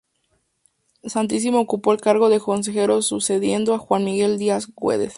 Santiso ocupó el cargo de consejero sucediendo a Juan Miguel Diz Guedes.